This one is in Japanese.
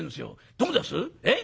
どうですえ？